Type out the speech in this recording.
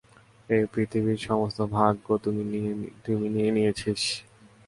এই পৃথিবীর সমস্ত ভাগ্য তুমি নিয়ে নিয়েছিস।